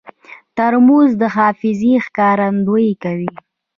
ترموز د حافظې ښکارندویي کوي.